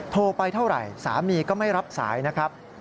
โทรไปเท่าไหร่สามีก็ไม่รับสายนะครับ